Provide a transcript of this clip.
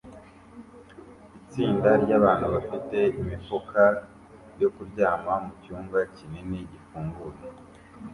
itsinda ryabantu bafite imifuka yo kuryama mucyumba kinini gifunguye